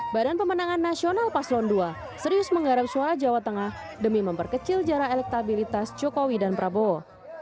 badan pemenangan nasional paslon dua serius menggarap suara jawa tengah demi memperkecil jarak elektabilitas jokowi dan prabowo